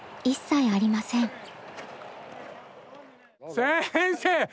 先生！